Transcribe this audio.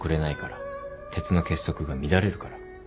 鉄の結束が乱れるから。